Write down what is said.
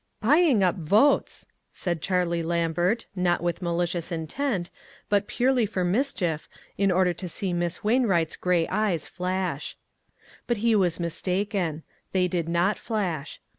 " Buying up votes !" said Charlie Lambert, SEVERAL STARTLING POINTS. 125 not with malicious intent, but purely for mischief, in order to see Miss Wainwright's gray eyes flash. But he was mistaken. They did not flash.